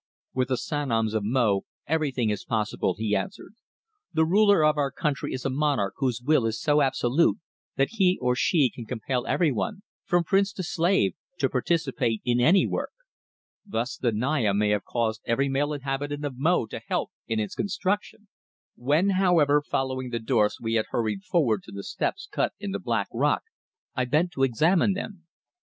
"With the Sanoms of Mo everything is possible," he answered. "The ruler of our country is a monarch whose will is so absolute that he or she can compel everyone, from prince to slave, to participate in any work. Thus the Naya may have caused every male inhabitant of Mo to help in its construction." When, however, following the dwarfs we had hurried forward to the steps cut in the black rock I bent to examine them.